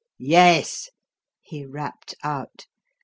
"Yes!" he rapped out.